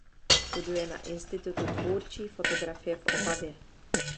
Studuje na Institutu tvůrčí fotografie v Opavě.